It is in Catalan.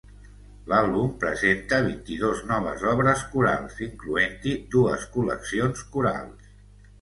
L'àlbum presenta vint-i-dos noves obres corals, incloent-hi dues col·leccions corals.